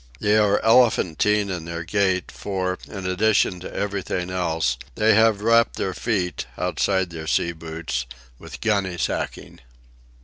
They are elephantine in their gait for, in addition to everything else, they have wrapped their feet, outside their sea boots, with gunny sacking.